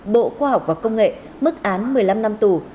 bộ khoa học và công nghệ mức án một mươi năm năm tù